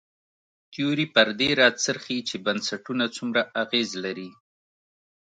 تیوري پر دې راڅرخي چې بنسټونه څومره اغېز لري.